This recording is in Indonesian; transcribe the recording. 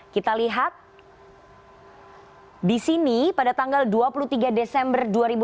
kita lihat di sini pada tanggal dua puluh tiga desember dua ribu dua puluh